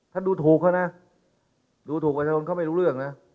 ดูถูกเขานะดูถูกประชาชนเขาไม่รู้เรื่องนะ